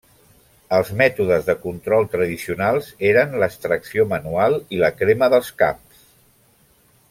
Els mètodes de control tradicionals eren l'extracció manual i la crema dels camps.